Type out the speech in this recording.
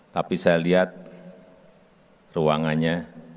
tapi saya lihat ruangannya